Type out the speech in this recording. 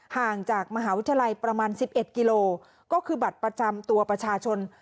ห่างจากมหาวิทยาลัยประมาณ๑๑กิโลก็คือบัตรประจำตัวประชาชน